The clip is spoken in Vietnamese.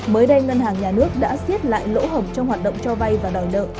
mới đây ngân hàng nhà nước đã xiết lại lỗ hổng trong hoạt động cho vay và đòi nợ